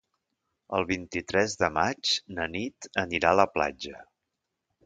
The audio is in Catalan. El vint-i-tres de maig na Nit anirà a la platja.